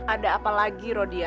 ada apa lagi rodia